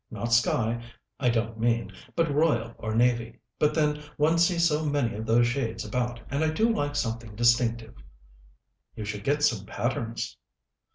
Not sky, I don't mean, but royal or navy. But, then, one sees so many of those shades about, and I do like something distinctive." "You should get some patterns."